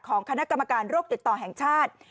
คณะกรรมการโรคติดต่อแห่งชาติ